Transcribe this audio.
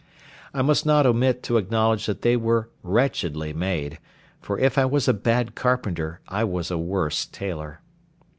I must not omit to acknowledge that they were wretchedly made; for if I was a bad carpenter, I was a worse tailor.